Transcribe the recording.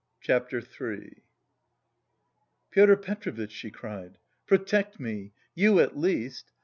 CHAPTER III "Pyotr Petrovitch," she cried, "protect me... you at least!